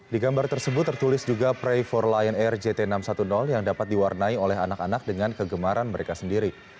di gambar tersebut tertulis juga pre for lion air jt enam ratus sepuluh yang dapat diwarnai oleh anak anak dengan kegemaran mereka sendiri